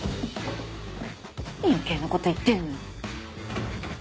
何余計なこと言ってんのよ。